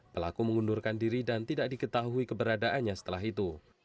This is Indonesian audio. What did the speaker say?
pelaku mengundurkan diri dan tidak diketahui keberadaannya setelah itu